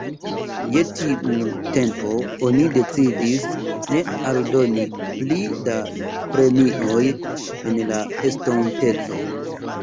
Je tiu tempo, oni decidis ne aldoni pli da premioj en la estonteco.